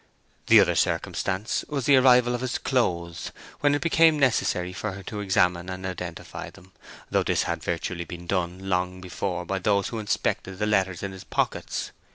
The other circumstance was the arrival of his clothes, when it became necessary for her to examine and identify them—though this had virtually been done long before by those who inspected the letters in his pockets.